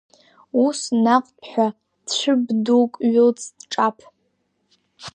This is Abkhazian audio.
Ус наҟтә ҳәа цәыбб дук ҩылҵт, ҿаԥ…